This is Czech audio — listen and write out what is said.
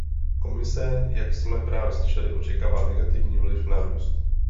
Komise, jak jsme právě slyšeli, očekává negativní vliv na růst.